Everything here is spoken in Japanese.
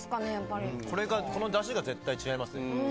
このだしが絶対違います。